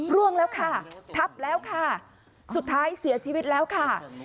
ร่วงแล้วค่ะทับแล้วค่ะสุดท้ายเสียชีวิตแล้วค่ะ